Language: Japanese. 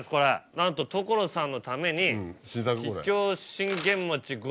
なんと所さんのために。